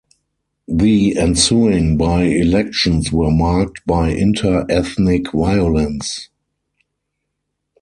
The ensuing by-elections were marked by inter-ethnic violence.